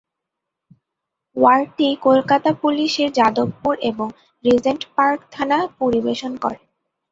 ওয়ার্ডটি কলকাতা পুলিশের যাদবপুর এবং Regent Park থানা পরিবেশন করে।